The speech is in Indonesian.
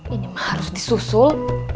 ini mah harus disusul